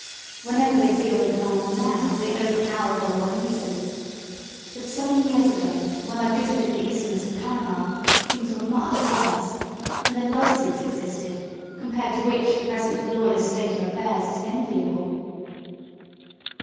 Whenever they feel inclined now they overpower the law easily; but seven years ago, when I visited the Isthmus of Panama, things were much worse, and a licence existed, compared to which the present lawless state of affairs is enviable.